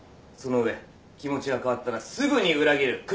その上気持ちが変わったらすぐに裏切る。